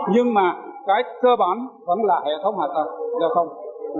nhưng mà cái cơ bản vẫn là hệ thống hạ tầng giao thông